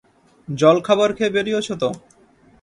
জলখাবার খেয়ে বেরিয়েছ তো?